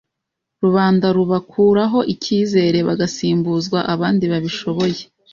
rubanda rubakuraho ikizere bagasimbuzwa abandi babishoboye